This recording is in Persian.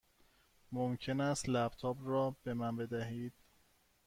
ممکن است لپ تاپ را به من بدهید؟